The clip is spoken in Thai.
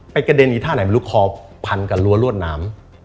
ไปกระเด็นอีกท่าหน่อยมันลุกคอพันกับรั้วรวดน้ำ